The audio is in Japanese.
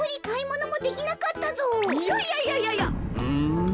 うん。